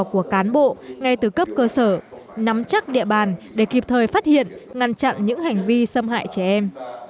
của cán bộ ngay từ cấp cơ sở nắm chắc địa bàn để kịp thời phát hiện ngăn chặn những hành vi xâm hại trẻ em